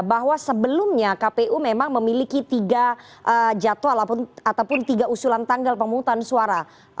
bahwa sebelumnya kpu memang memiliki tiga jadwal ataupun tiga usulan tanggal pemungutan suara